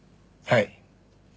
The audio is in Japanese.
はい。